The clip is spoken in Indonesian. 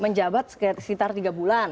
menjabat sekitar tiga bulan